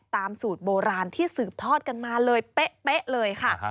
ตามสูตรโบราณที่สืบทอดกันมาเลยเป๊ะเลยค่ะ